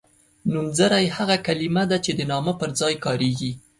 نومځری هغه کلمه ده چې د نامه پر ځای کاریږي.